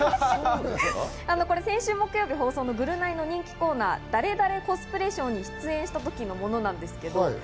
先週木曜日放送の『ぐるナイ』の人気コーナー、ダレダレコスプレショーに出演した時のものです。